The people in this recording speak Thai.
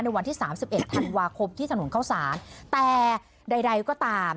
วันที่สามสิบเอ็ดธันวาคมที่ถนนเข้าสารแต่ใดก็ตาม